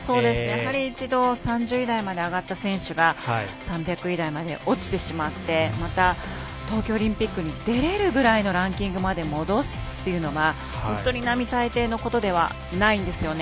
やはり一度３０位台まで上がった選手が３００位台まで落ちてしまってまた東京オリンピックに出られるくらいまでのランキングまで戻すというのが並大抵なことではないんですよね。